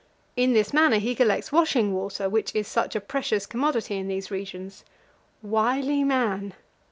In this manner he collects washing water, which is such a precious commodity in these regions wily man!